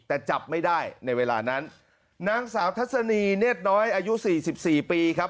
แต่จับไม่ได้ในเวลานั้นนางสาวทัศนีเนธน้อยอายุสี่สิบสี่ปีครับ